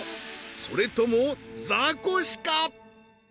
それともザコシか？